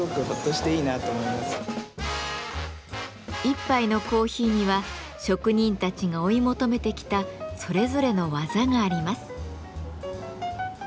一杯のコーヒーには職人たちが追い求めてきたそれぞれの技があります。